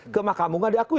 ke mahkamah gungka diakui